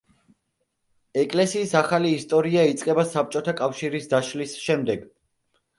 ეკლესიის ახალი ისტორია იწყება საბჭოთა კავშირის დაშლის შემდეგ.